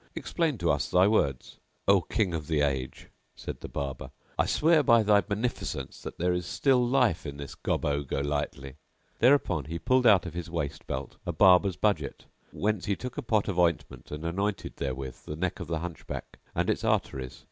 Explain to us thy words !" "O King of the age," said the Barber, "I swear by thy beneficence that there is still life in this Gobbo Golightly!" Thereupon he pulled out of his waist belt a barber's budget, whence he took a pot of ointment and anointed therewith the neck of the Hunchback and its arteries.